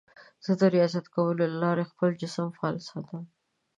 زه د ریاضت کولو له لارې خپل جسم فعال ساتم.